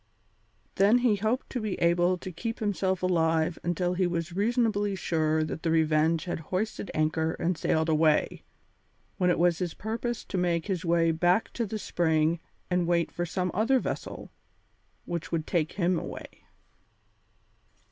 Then he hoped to be able to keep himself alive until he was reasonably sure that the Revenge had hoisted anchor and sailed away, when it was his purpose to make his way back to the spring and wait for some other vessel which would take him away.